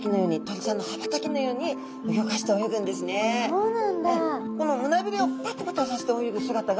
そうなんだ。